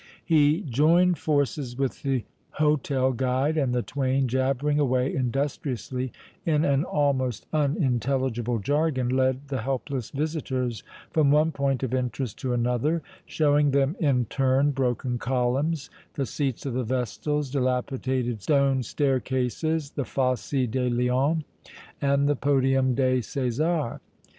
He joined forces with the hôtel guide and the twain, jabbering away industriously in an almost unintelligible jargon, led the helpless visitors from one point of interest to another, showing them in turn broken columns, the seats of the Vestals, dilapidated stone staircases, the "Fosse des Lions" and the "Podium des Césars."